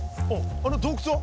あの洞窟は？